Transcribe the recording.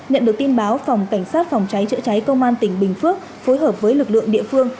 nhận được tin báo phòng cảnh sát phòng cháy chữa cháy công an tỉnh bình phước phối hợp với lực lượng địa phương